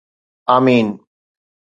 آمين